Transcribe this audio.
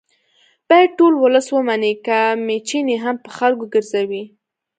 باید ټول ولس ومني که میچنې هم په خلکو ګرځوي